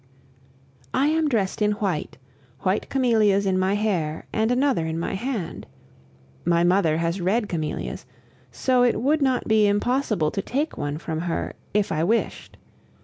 I am dressed in white white camellias in my hair, and another in my hand. My mother has red camellias; so it would not be impossible to take one from her if I wished!